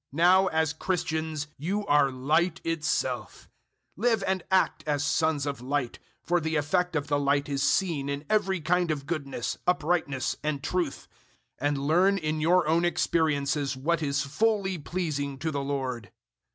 Now, as Christians, you are Light itself. 005:009 Live and act as sons of Light for the effect of the Light is seen in every kind of goodness, uprightness and truth 005:010 and learn in your own experiences what is fully pleasing to the Lord.